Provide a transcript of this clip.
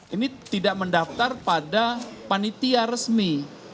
ini tidak mendaftar pada panitia resmi